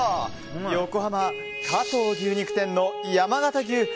横浜、加藤牛肉店の山形牛